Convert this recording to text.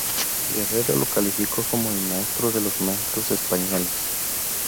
Guerrero lo calificó como "el maestro de los maestros españoles".